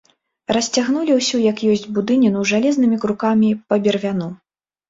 Расцягнулі ўсю як ёсць будыніну жалезнымі крукамі па бервяну.